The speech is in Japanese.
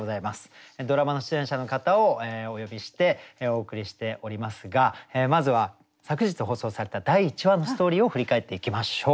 ドラマの出演者の方をお呼びしてお送りしておりますがまずは昨日放送された第１話のストーリーを振り返っていきましょう。